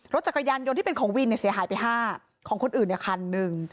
รถจักรยานยนต์ที่เป็นของวินเสียหายไป๕ของคนอื่นคันหนึ่ง